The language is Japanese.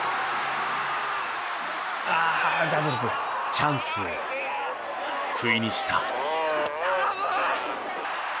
チャンスをふいにした。